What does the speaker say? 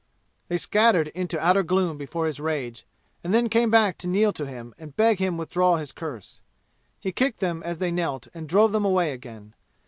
They scattered into outer gloom before his rage, and then came back to kneel to him and beg him withdraw his curse. He kicked them as they knelt and drove them away again.